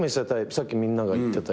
さっきみんなが言ってた。